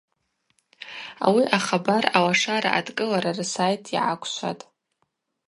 Ауи ахабар Алашара адкӏылара рсайт йгӏаквшватӏ.